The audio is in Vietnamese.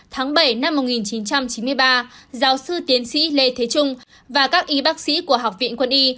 tháng bảy năm một nghìn chín trăm chín mươi ba giáo sư tiến sĩ lê thế trung và các y bác sĩ của học viện quân y